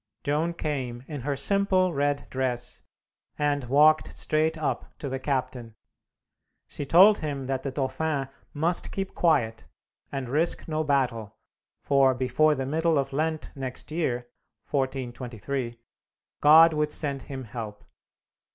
Joan came, in her simple red dress, and walked straight up to the captain. She told him that the Dauphin must keep quiet, and risk no battle, for, before the middle of Lent next year (1423), God would send him help.